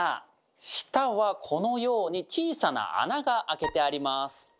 下はこのように小さな穴が開けてあります。